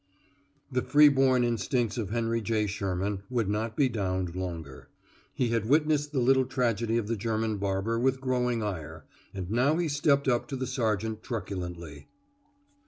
The free born instincts of Henry J. Sherman would not be downed longer. He had witnessed the little tragedy of the German barber with growing ire, and now he stepped up to the sergeant truculently.